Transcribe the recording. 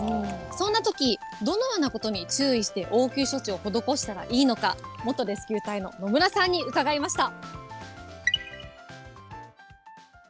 そんなとき、どのようなことに注意して応急処置を施したらいいのか、元レスキュー隊の野村さんに伺いました。